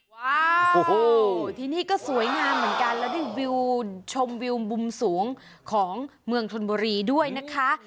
ที่นี่ก็สวยงามเหมือนกันแล้วได้วิวชมวิวมุมสูงของเมืองธนบุรีด้วยนะคะ